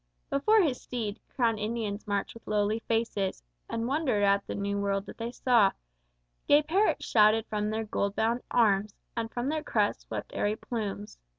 Before his steed Crowned Indians marched with lowly faces, And wondered at the new world that they saw; Gay parrots shouted from their gold bound arms, And from their crests swept airy plumes.